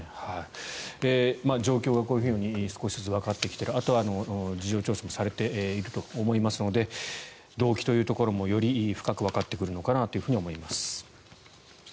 状況がこういうふうに少しずつわかってきているあと、事情聴取もされていると思いますので動機というところもより深くわかってくるのかなと思います。